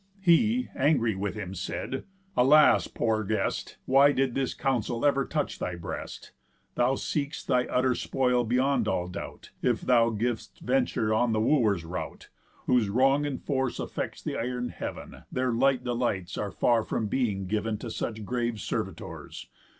He, angry with him, said: "Alas, poor guest, Why did this counsel ever touch thy breast? Thou seek'st thy utter spoil beyond all doubt, If thou giv'st venture on the Wooers' rout, Whose wrong and force affects the iron heav'n, Their light delights are far from being giv'n To such grave servitors.